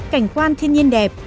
cảnh quan thiên nhiên đẹp